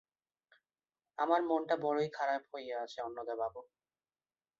আমার মনটা বড়োই খারাপ হইয়া আছে অন্নদাবাবু।